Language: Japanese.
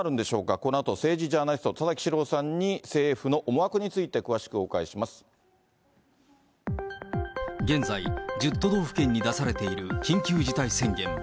このあと政治ジャーナリスト、田崎史郎さんに政府の思惑について、現在、１０都道府県に出されている緊急事態宣言。